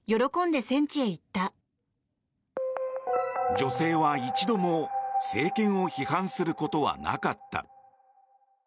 女性は一度も政権を批判することはなかった。